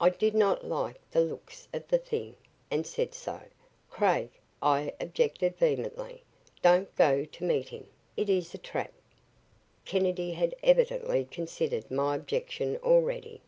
I did not like the looks of the thing, and said so. "Craig," I objected vehemently, "don't go to meet him. It is a trap." Kennedy had evidently considered my objection already.